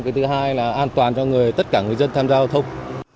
cái thứ hai là an toàn cho tất cả người dân tham gia giao thông